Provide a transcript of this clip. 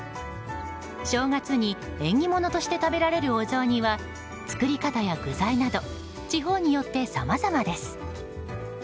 正月に縁起物として食べられるお雑煮は作り方や具材など地方によってさまざまです。